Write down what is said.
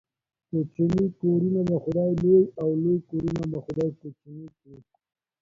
کوچني کورونه به خداى لوى ، او لوى کورونه به خداى کوچني کړي.